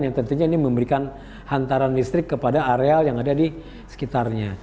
yang tentunya ini memberikan hantaran listrik kepada areal yang ada di sekitarnya